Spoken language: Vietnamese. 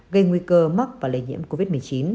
gây nguy cơ mắc và lây nhiễm covid một mươi chín